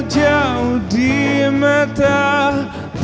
tidak ada yang takut